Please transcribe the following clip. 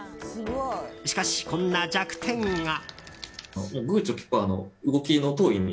しかし、こんな弱点が。